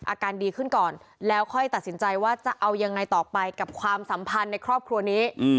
อาการดีขึ้นก่อนแล้วค่อยตัดสินใจว่าจะเอายังไงต่อไปกับความสัมพันธ์ในครอบครัวนี้